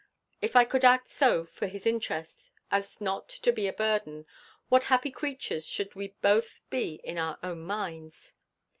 If I could act so for his interest, as not to be a burden, what happy creatures should we both be in our own minds!